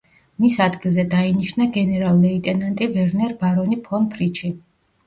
მის ადგილზე დაინიშნა გენერალ-ლეიტენანტი ვერნერ ბარონი ფონ ფრიჩი.